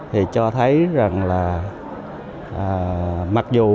thì cho thấy kỳ họp này đã đạt được nhiều kết quả